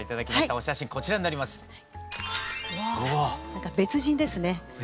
何か別人ですね。